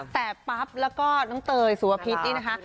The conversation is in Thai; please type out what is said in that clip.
แต่ปั๊บและเตยสุวพิษนี่นะคะ